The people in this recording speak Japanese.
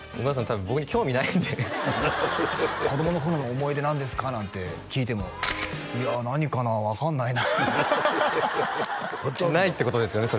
多分僕に興味ないんで「子供の頃の思い出何ですか？」なんて聞いても「いや何かな？分かんないな」ないってことですよね？